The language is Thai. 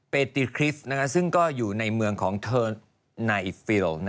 เปติคริสต์ซึ่งก็อยู่ในเมืองของเทอร์ไนฟิลล์